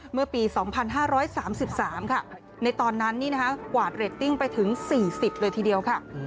เมื่อปี๒๕๓๓ค่ะในตอนนั้นกวาดเรตติ้งไปถึง๔๐เลยทีเดียวค่ะ